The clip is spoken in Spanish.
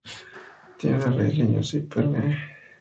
Tiene una raíz leñosa y perenne.